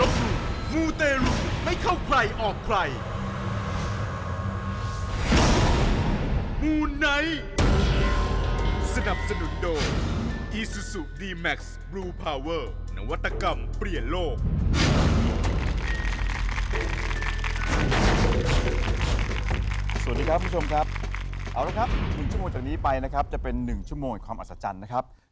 สวัสดีครับคุณผู้ชมครับเอาละครับ๑ชั่วโมงจากนี้ไปนะครับจะเป็น๑ชั่วโมงความอัศจรรย์นะครับ